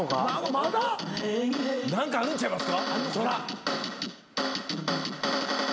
まだ？何かあるんちゃいますか？